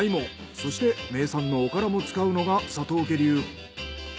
そして名産のおからも使うのが佐藤家流。